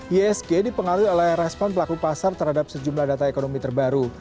isg dipengaruhi oleh respon pelaku pasar terhadap sejumlah data ekonomi terbaru